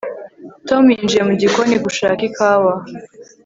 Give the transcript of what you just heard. Tom yinjiye mu gikoni gushaka ikawa